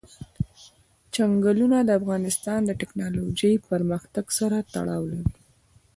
چنګلونه د افغانستان د تکنالوژۍ پرمختګ سره تړاو لري.